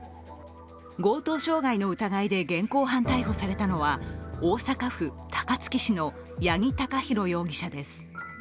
強盗傷害の疑いで現行犯逮捕されたのは大阪府高槻市の八木貴寛容疑者です。